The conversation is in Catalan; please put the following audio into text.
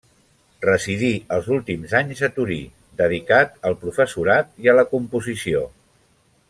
Residí els últims anys a Tori dedicat al professorat i a la composició.